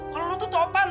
kalau lo tuh tau pan